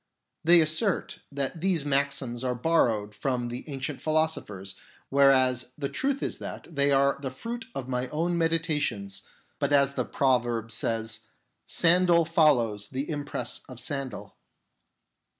They assert that these maxims are borrowed from the ancient philosophers, whereas the truth is that they are the fruit of my own meditations, but as the proverb says, " Sandal follows the impress of sandal."